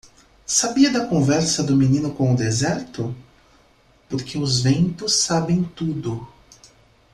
Sabia da conversa do menino com o deserto? porque os ventos sabem tudo.